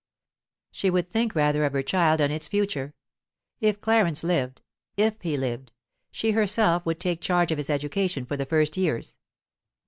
She would think rather of her child and its future. If Clarence lived if he lived she herself would take charge of his education for the first years.